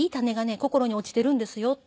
心に落ちているんですよ」って。